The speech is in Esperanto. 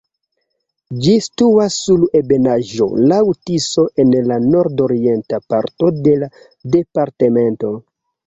Ĝi situas sur ebenaĵo laŭ Tiso en la nordorienta parto de la departemento.